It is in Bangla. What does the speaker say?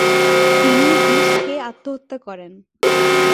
তিনি বিষ খেয়ে আত্মহত্যা করেন।